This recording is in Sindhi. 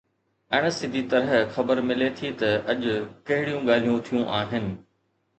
اڻ سڌي طرح خبر ملي ٿي ته اڄ ڪهڙيون ڳالهيون ٿيون آهن.